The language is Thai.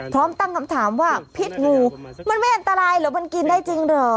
พร้อมตั้งคำถามว่าพิษงูมันไม่อันตรายเหรอมันกินได้จริงเหรอ